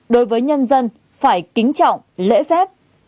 đối với nhân dân phải kính trọng lễ phép